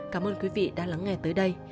cảm ơn quý vị đã lắng nghe tới đây